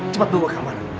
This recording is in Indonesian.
cepat bawa ke kamar